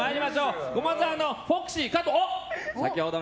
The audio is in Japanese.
駒澤のフォクシー加藤。